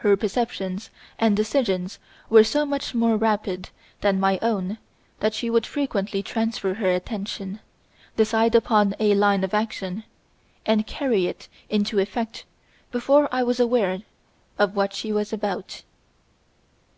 Her perceptions and decisions were so much more rapid than my own that she would frequently transfer her attention, decide upon a line of action, and carry it into effect before I was aware of what she was about.